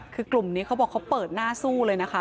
คือกลุ่มนี้เขาบอกเขาเปิดหน้าสู้เลยนะคะ